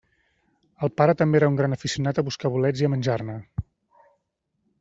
El pare també era un gran aficionat a buscar bolets i a menjar-ne.